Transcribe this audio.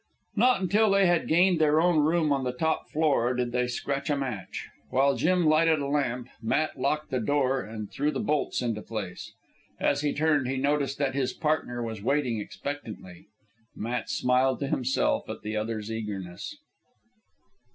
Not until they had gained their own room on the top floor, did they scratch a match. While Jim lighted a lamp, Matt locked the door and threw the bolts into place. As he turned, he noticed that his partner was waiting expectantly. Matt smiled to himself at the other's eagerness.